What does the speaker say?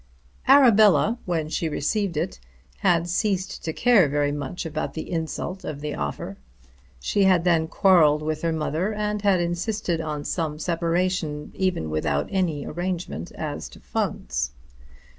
Arabella, when she received it, had ceased to care very much about the insult of the offer. She had then quarrelled with her mother, and had insisted on some separation even without any arrangement as to funds.